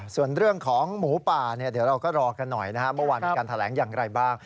ส่วนเรื่องของหมูป่าเดี๋ยวเราก็รอกันหน่อยนะครับเมื่อวานมีการแถลงอย่างไรบ้าง